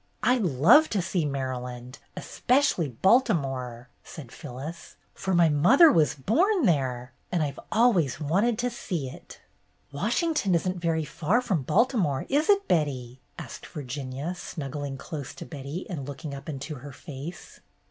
"I 'd love to see Maryland, especially Balti more," said Phyllis, "for my mother was born there and I Ve always wanted to see it." "Washington isn't very far from Balti more, is it, Betty?" asked Virginia, snuggling close to Betty and looking up into her face.